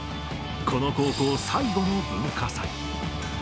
この高校最後の文化祭。